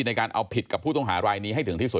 ในการเอาผิดกับผู้ต้องหารายนี้ให้ถึงที่สุด